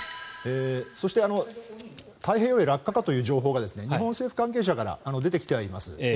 そして、太平洋へ落下かという情報が日本政府関係者から出てきてはいます。